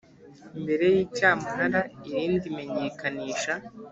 mbere y icyamunara irindi menyekanisha